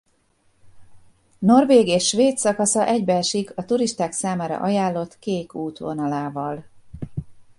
Norvég és svéd szakasza egybeesik a turisták számára ajánlott Kék út vonalával.